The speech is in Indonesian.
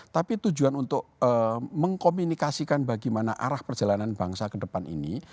tapi tujuan untuk mengkomunikasikan bagaimana arah perjalanan bangsa ke depan ini